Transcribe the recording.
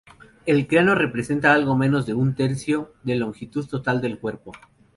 El cráneo representa algo menos de un tercio de longitud total del cuerpo.